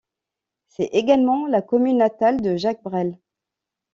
C'est également la commune natale de Jacques Brel.